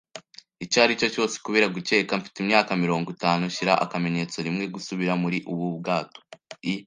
icyaricyo cyose, kubera gukeka. Mfite imyaka mirongo itanu, shyira akamenyetso; rimwe gusubira muri ubu bwato, I.